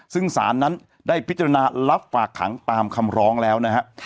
ซึ่งศาลนั้นได้พิจารณารับฝากขังตามคำร้องแล้วนะฮะ